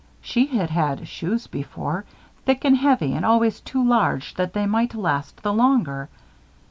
She had had shoes before. Thick and heavy and always too large that they might last the longer.